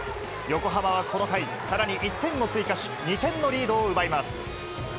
横浜はこの回、さらに１点を追加し、２点のリードを奪います。